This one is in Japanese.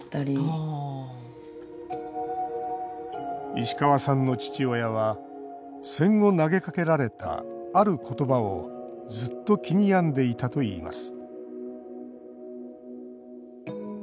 石川さんの父親は戦後投げかけられた、ある言葉をずっと気に病んでいたといいます